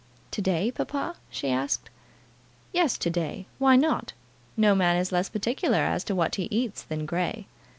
"To day, papa?" she asked. "Yes, to day. Why not? No man is less particular as to what he eats than Grey."